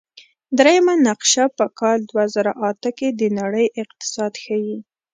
دریمه نقشه په کال دوه زره اته کې د نړۍ اقتصاد ښيي.